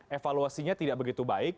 evaluasinya tidak begitu baik